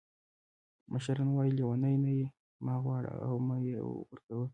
مشران وایي لیوني نه یې مه غواړه او مه یې ورکوه.